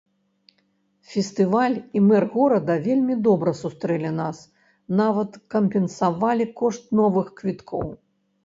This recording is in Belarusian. Фестываль і мэр горада вельмі добра сустрэлі нас, нават кампенсавалі кошт новых квіткоў.